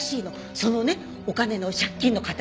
そのねお金の借金の肩代わり